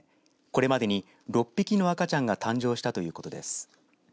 これまでに６匹の赤ちゃんが誕生したということです。